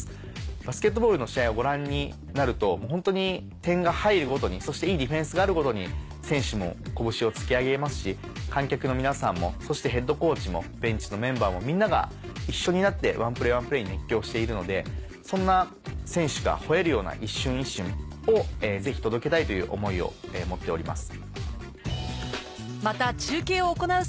バスケットボールの試合をご覧になるとホントに点が入るごとにそしていいディフェンスがあるごとに選手も拳を突き上げますし観客の皆さんもそしてヘッドコーチもベンチのメンバーもみんなが一緒になってワンプレーワンプレーに熱狂しているのでそんな選手が吼えるような一瞬一瞬をぜひ届けたいという思いを持っております。